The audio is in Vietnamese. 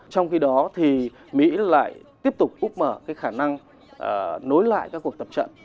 trong khi đó thì mỹ lại tiếp tục úp mở cái khả năng nối lại các cuộc tập trận